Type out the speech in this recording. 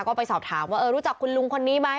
ก็ไปสอบถามว่ารู้จักคุณลุงคนนี้ไหม